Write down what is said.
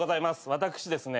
私ですね